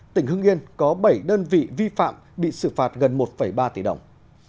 tỉnh hưng yên có bảy đơn vị vi phạm bị xử phạt gần một ba tỷ đồng